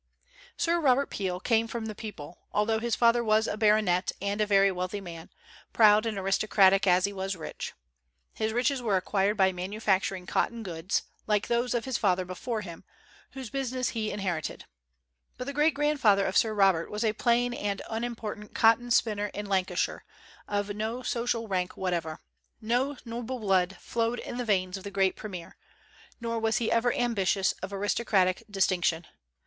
Sir Robert Peel came from the people, although his father was a baronet and a very wealthy man, proud and aristocratic as he was rich. His riches were acquired by manufacturing cotton goods, like those of his father before him, whose business he inherited; but the great grandfather of Sir Robert was a plain and unimportant cotton spinner in Lancashire, of no social rank whatever. No noble blood flowed in the veins of the great premier, nor was he ever ambitious of aristocratic distinction.